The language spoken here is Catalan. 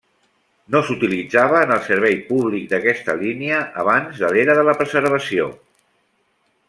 No s'utilitzava en el servei públic d'aquesta línia abans de l'era de la preservació.